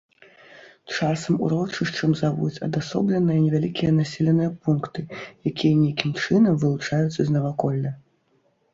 Часам урочышчам завуць адасобленыя невялікія населеныя пункты, якія нейкім чынам вылучаюцца з наваколля.